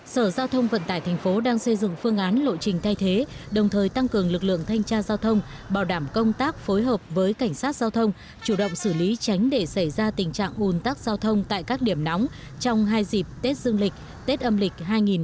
sở giao thông vận tải thành phố đang xây dựng phương án lộ trình thay thế đồng thời tăng cường lực lượng thanh tra giao thông bảo đảm công tác phối hợp với cảnh sát giao thông chủ động xử lý tránh để xảy ra tình trạng ủn tắc giao thông tại các điểm nóng trong hai dịp tết dương lịch tết âm lịch hai nghìn hai mươi